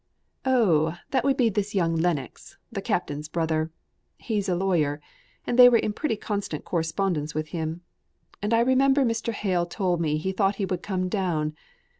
"Oh, that would be this young Lennox, the Captain's brother. He's a lawyer, and they were in pretty constant correspondence with him; and I remember Mr. Hale told me he thought he would come down.